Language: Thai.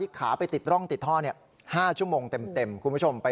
โอเคเนี่ยระวังมือ